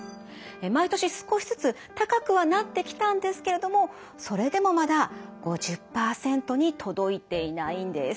毎年少しずつ高くはなってきたんですけれどもそれでもまだ５０％に届いていないんです。